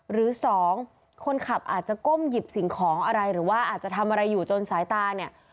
หรือสองคนขับอาจจะก้มหยิบสิ่งของอะไรหรือว่าอาจจะทำอะไรอยู่จนสายตาเนี่ย